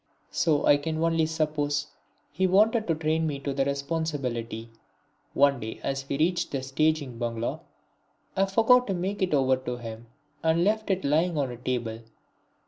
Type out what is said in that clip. So I can only suppose he wanted to train me to the responsibility. One day as we reached the staging bungalow, I forgot to make it over to him and left it lying on a table.